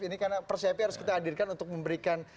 ini karena persepi harus kita hadirkan untuk memberikan